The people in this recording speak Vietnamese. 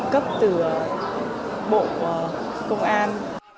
cấp từ bộ công an